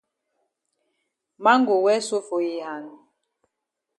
Man go well so for yi hand?